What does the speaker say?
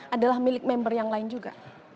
adalah milik member yang lain juga